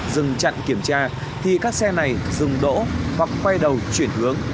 dừng chặn kiểm tra thì các xe này dừng đỗ hoặc quay đầu chuyển hướng